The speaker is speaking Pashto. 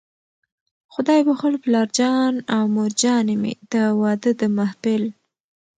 خدای بښلو پلارجان او مورجانې مې، د واده د محفل